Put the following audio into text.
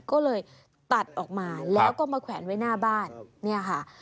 ก็เลยตัดออกมาแล้วก็มาแขวนไว้หน้าบ้านเนี่ยค่ะ